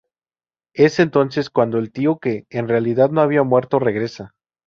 Es entonces cuando el tío, que en realidad no había muerto, regresa.